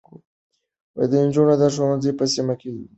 د نجونو ښوونځي په سیمه ایزه پرېکړه نیونه کې مرسته کوي.